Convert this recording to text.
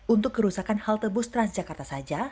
untuk kerusakan halte bus transjakarta saja